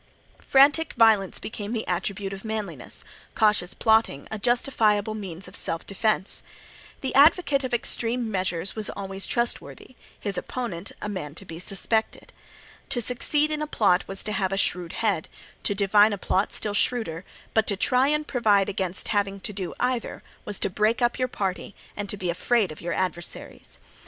Frantic violence became the attribute of manliness; cautious plotting, a justifiable means of self defence. The advocate of extreme measures was always trustworthy; his opponent a man to be suspected. To succeed in a plot was to have a shrewd head, to divine a plot a still shrewder; but to try to provide against having to do either was to break up your party and to be afraid of your adversaries.